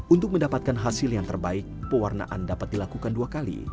untuk mendapatkan hasil yang terbaik pewarnaan dapat dilakukan dua kali